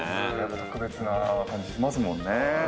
特別な感じしますもんね。